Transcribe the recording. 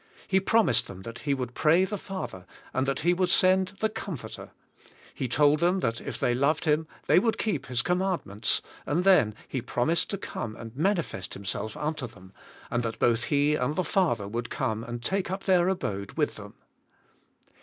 He promised them that He would pray the Father and that He would send the Com forter, He told them that if they loved Him they would keep His commandments and then He pro mised to come and manifest Himself unto them, and that both He and the Father would come and take up their abode with them.